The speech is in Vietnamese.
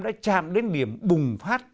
đã chạm đến điểm bùng phát